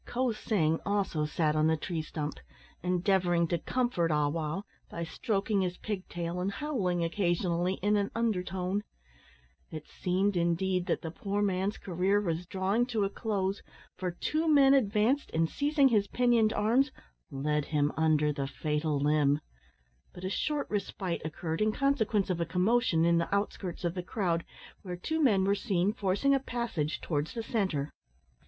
Ko sing also sat on the tree stump, endeavouring to comfort Ah wow by stroking his pig tail and howling occasionally in an undertone. It seemed indeed that the poor man's career was drawing to a close, for two men advanced, and, seizing his pinioned arms, led him under the fatal limb; but a short respite occurred in consequence of a commotion in the outskirts of the crowd, where two men were seen forcing a passage towards the centre.